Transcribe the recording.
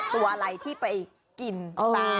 ตัวอะไรที่ไปกินปลา